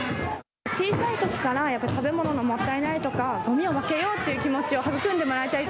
小さいときから、やっぱり食べ物がもったいないとかごみを分けようという気持ちを育んでもらいたい。